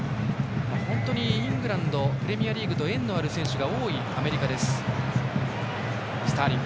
本当にイングランド・プレミアリーグと縁のある選手が多いアメリカ。